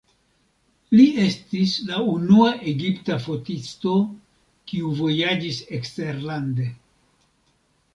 Li estis la unua egipta fotisto, kiu vojaĝis eksterlande.